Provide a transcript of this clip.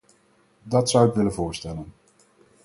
Dat zou ik willen voorstellen.